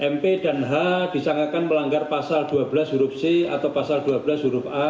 mp dan h disangkakan melanggar pasal dua belas huruf c atau pasal dua belas huruf a